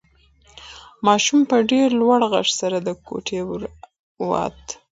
ماشوم په ډېر لوړ غږ سره د کوټې ور واهه.